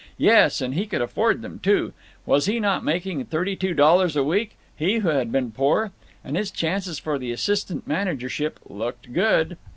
Yes, and he could afford them, too. Was he not making thirty two dollars a week—he who had been poor! And his chances for the assistant managership "looked good."